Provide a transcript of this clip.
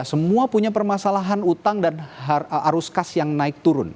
semua punya permasalahan utang dan arus kas yang naik turun